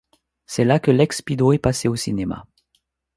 C'est là que l'ex-Pido est passé au cinéma.